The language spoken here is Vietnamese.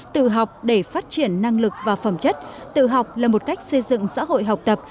tự học để phát triển năng lực và phẩm chất tự học là một cách xây dựng xã hội học tập